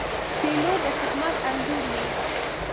پیلوټ د خدمت انځور وي.